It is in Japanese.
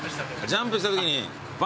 ジャンプしたときに。